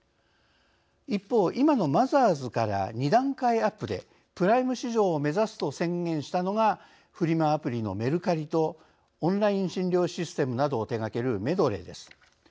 一方今のマザーズから２段階アップでプライム市場を目指すと宣言したのがフリマアプリのメルカリとオンライン診療システムなどを手がけるメドレーです。